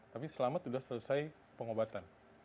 tapi selamat sudah selesai pengobatan